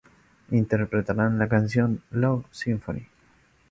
Interpretarán la canción Love Symphony.